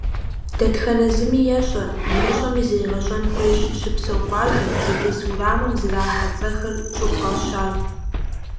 Дэтхэнэ зыми ещӏэ, имыщӏэми зригъэщӏэн хуейщ щыпсэу къуажэм, зытес уэрамым зэрахьэ цӏэхэр щӏыфӏащар.